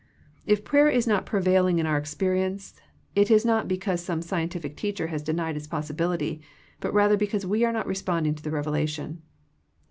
If prayer is not prevailing in our experience it is not because some scientific teacher has denied its possibility, but rather be cause we are not responding to the revelation.